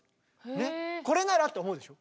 ねっこれならって思うでしょ。